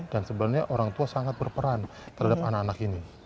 dan sebenarnya orang tua sangat berperan terhadap anak anak ini